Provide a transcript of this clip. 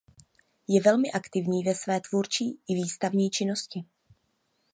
Je velmi aktivní ve své tvůrčí i výstavní činnosti.